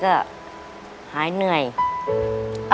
อะไรที่ทำให้แม่หายเหนื่อยอ่ะ